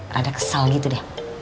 rada kesal gitu deh